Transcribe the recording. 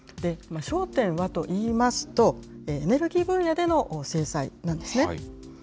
焦点はといいますと、エネルギー分野での制裁なんですね。